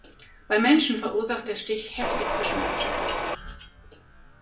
Beim Menschen verursacht der Stich heftigste Schmerzen.